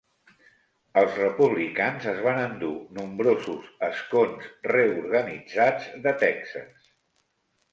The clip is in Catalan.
Els republicans es van endur nombrosos escons reorganitzats de Texas.